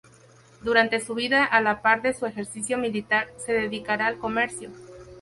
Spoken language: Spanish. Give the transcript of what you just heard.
Durante su vida a la par de su ejercicio militar se dedicará al comercio.